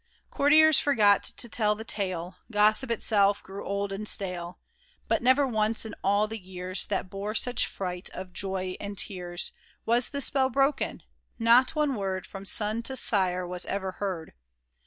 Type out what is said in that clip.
Courtiers forgot to tell the tale ; Gossip itself grew old and stale. But never once, in all the years That bore such freight of joys and tears, 198 KING IVAN'S OATH Was the spell broken : not one word From son to sire was ever heard.